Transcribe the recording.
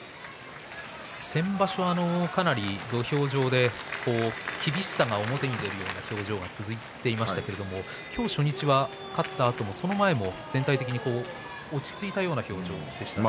先場所はかなり土俵上で厳しさが表に出るような表情が続いていましたけども今日、初日勝ったあともその前も全体として落ち着いたような表情でしたね。